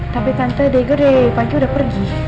tapi tante diego dari pagi udah pergi